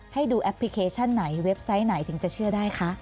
ให้ดูแอปพลิเคชันไหนเว็บไซต์ไหนถึงจะเชื่อได้คะ